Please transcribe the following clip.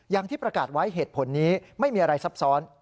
อย่างที่ประกาศไว้เหตุผลนี้ไม่มีอะไรซับซ้อน